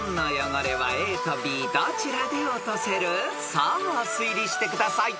［さあ推理してください］